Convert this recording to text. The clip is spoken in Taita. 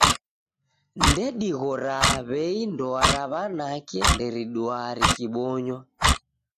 Ndedighroaa w'ei ndoa ra w'anake nderiduaa rikibonywa.